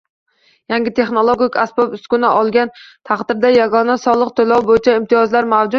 Yangi texnologik asbob-uskuna olgan taqdirda yagona soliq to‘lovi bo‘yicha imtiyozlar mavjudmi?